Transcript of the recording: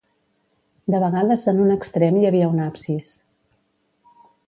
De vegades en un extrem hi havia un absis.